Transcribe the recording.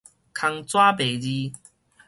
空紙白字